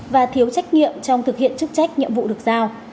và thiếu trách nhiệm trong thực hiện chức trách nhiệm vụ được giao